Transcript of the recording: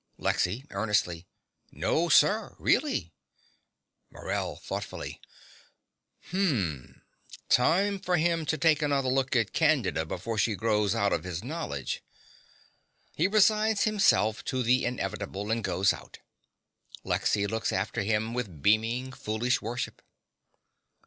LEXY (earnestly). No, sir, really. MORELL (thoughtfully). Hm! Time for him to take another look at Candida before she grows out of his knowledge. (He resigns himself to the inevitable, and goes out. Lexy looks after him with beaming, foolish worship.)